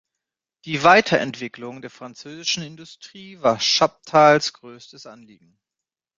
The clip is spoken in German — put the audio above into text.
Die Weiterentwicklung der französischen Industrie war Chaptals größtes Anliegen.